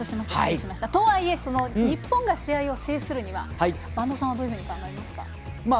とはいえ日本が試合を制するには播戸さんはどういうふうにお考えですか？